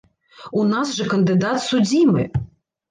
У нас жа кандыдат судзімы!